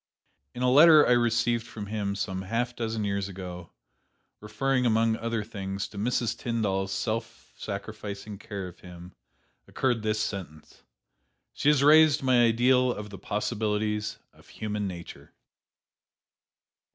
In a letter I received from him some half dozen years ago, referring, among other things, to Mrs. Tyndall's self sacrificing care of him, occurred this sentence: 'She has raised my ideal of the possibilities of human nature.'"